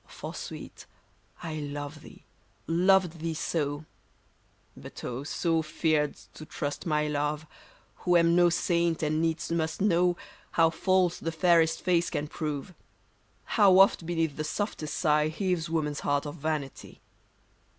For, sweet, I love thee, loved thee so ; But oh ! so feared to trust my love. Who am no saint, and needs must know How false the fairest face can prove ; How oft beneath the softest sigh Heaves woman's heart of vanity.